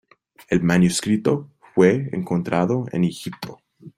El manuscrito fue encontrado en Egipto.